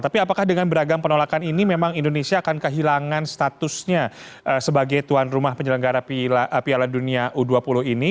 tapi apakah dengan beragam penolakan ini memang indonesia akan kehilangan statusnya sebagai tuan rumah penyelenggara piala dunia u dua puluh ini